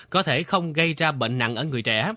có thể không gây ra bệnh nặng ở người trẻ